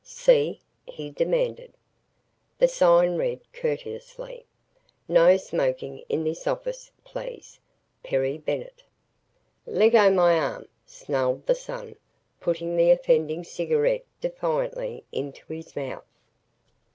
"See?" he demanded. The sign read courteously: "No Smoking in This Office Please. "PERRY BENNETT." "Leggo my arm," snarled the "son," putting the offending cigarette defiantly into his mouth.